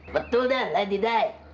betul den lady dai